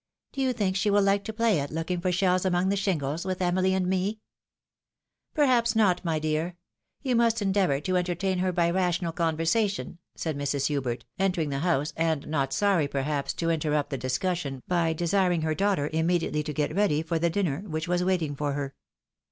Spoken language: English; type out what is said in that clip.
"Do you think she will like to play at looking for shells among the shingles, with Emily and me ?"" Perhaps, not, my dear. You must endeavour to entertain her by rational conversation," said Mrs. Hubert, entering the house, and not sorry, perhaps, to interrupt the discussion, by desiring her daughter immediately to get ready for our dinner, which was waiting for her.